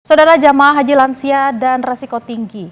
saudara jamaah haji lansia dan resiko tinggi